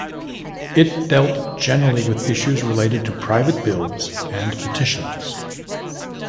It dealt generally with issues related to private bills and petitions.